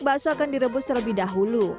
bakso akan direbus terlebih dahulu